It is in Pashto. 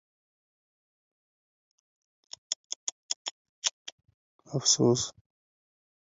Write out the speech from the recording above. کیهان کونه غواړې.فرحان یی نه ورکوې